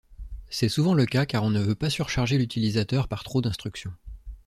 C'est souvent le cas car on ne veut pas surcharger l'utilisateur par trop d'instructions.